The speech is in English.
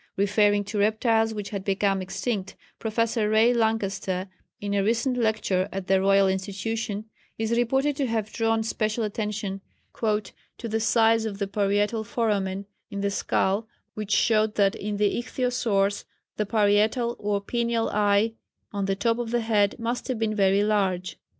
Referring to reptiles which had become extinct, Professor Ray Lankester, in a recent lecture at the Royal Institution, is reported to have drawn special attention "to the size of the parietal foramen in the skull which showed that in the ichthyosaurs the parietal or pineal eye on the top of the head must have been very large."